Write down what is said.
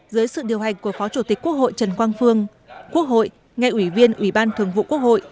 dưới sự điều hành của phó chủ tịch quốc hội trần quang phương quốc hội nghe ủy viên ủy ban thường vụ quốc hội